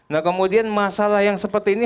nah kemudian masalah yang seperti ini